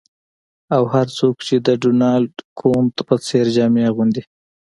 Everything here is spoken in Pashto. او هر څوک چې د ډونالډ کنوت په څیر جامې اغوندي